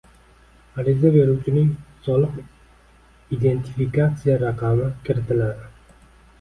Ariza beruvchining soliq identifikatsiya raqami kiritiladi.